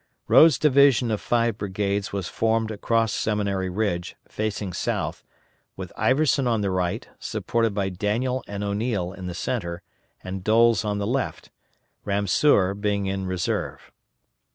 Rodes' division of five brigades was formed across Seminary Ridge, facing south, with Iverson on the right, supported by Daniel and O'Neill in the centre, and Doles on the left, Ramseur being in reserve.